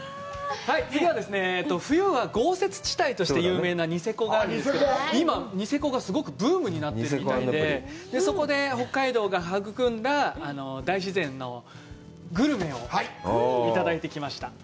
次はですね、冬は豪雪地帯として有名なニセコがあるんですけど、今、ニセコがすごいブームになっているみたいで、そこで北海道が育んだ大自然のグルメをいただいてきました。